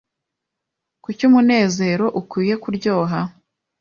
Kuki umunezero ukwiye kuryoha